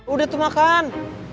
udah tuh makan